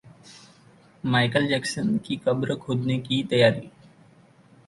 Michael Jackson की कब्र खोदने की तैयारी